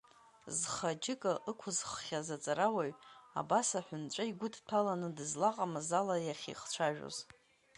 Зхы аџьыка ықәызххьаз аҵарауаҩ абас аҳәынҵәа игәыдҭәаланы, дызлаҟамыз ала иахьихцәажәоз.